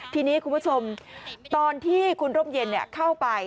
ทีนี้คุณผู้ชมตอนที่คุณร่มเย็นเข้าไป